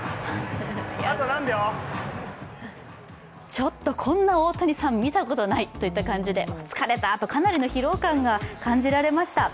ちょっとこんな大谷さん見たことないって感じで疲れたとかなりの疲労感が感じられました。